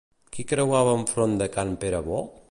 Qui creuava enfront de can Pere-Bo?